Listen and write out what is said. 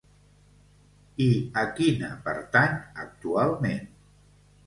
I a quina pertany actualment?